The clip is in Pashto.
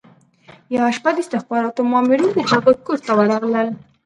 یوه شپه د استخباراتو مامورین د هغوی کور ته ورغلل